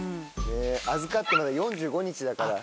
預かってまだ４５日だから。